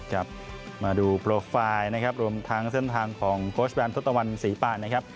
ครับมาดูโปรไฟล์นะครับรวมทั้งเส้นทางของโค้ชแบนทศตวรรณศรีปานนะครับ